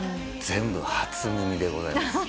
全部初耳でございます。